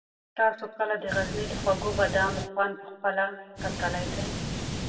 تاسو کله د غزني د خوږو بادامو خوند په خپله کتلی دی؟